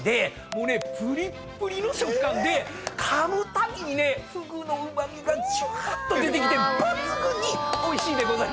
もうねぷりっぷりの食感でかむたびにねフグのうま味がジュワッと出てきて抜群においしいんでございます。